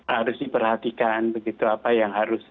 harus diperhatikan begitu apa yang harus